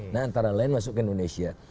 nah antara lain masuk ke indonesia